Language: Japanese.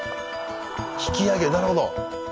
引き上げるなるほど。